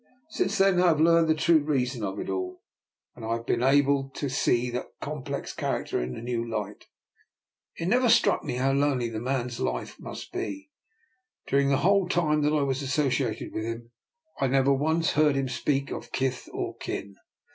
Since then I have learned the true reason of it all, and I have been able DR. NIKOLA'S EXPERIMENT. 263 to see that complex character in a new Hght. It never struck me how lonely the man's life must be. During the whole time that I was associated with him I never once heard him speak of kith or kin.